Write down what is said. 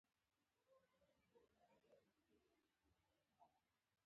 د یو بل ملاتړ کول د ټولنې قوت دی.